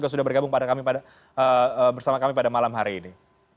sudah bergabung bersama kami pada malam hari ini